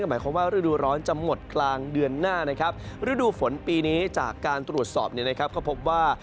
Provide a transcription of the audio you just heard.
หมายความว่าฤดูร้อนจะหมดกลางเดือนหน้านะครับฤดูฝนปีนี้จากการตรวจสอบเนี่ยนะครับก็พบว่า